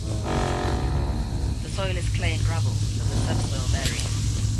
The soil is clay and gravel, but the subsoil varies.